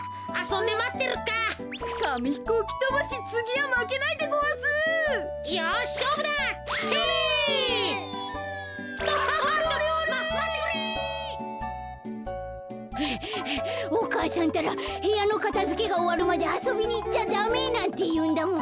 はあはあお母さんたらへやのかたづけがおわるまであそびにいっちゃダメなんていうんだもん。